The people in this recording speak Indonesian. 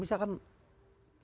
misalkan dengan adanya listrik